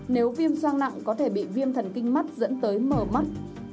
nếu viêm xoang nặng có thể bị viêm thần kinh mắt dẫn tới mờ mắt